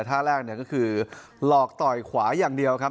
ท่าแรกเนี่ยก็คือหลอกต่อยขวาอย่างเดียวครับ